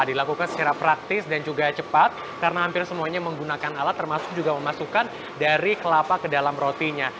dilakukan secara praktis dan juga cepat karena hampir semuanya menggunakan alat termasuk juga memasukkan dari kelapa ke dalam rotinya